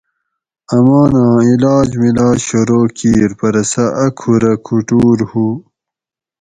اماناں علاج ملاج شروع کِیر پرہ سہ ا کُھورہ کُھوٹور ہُو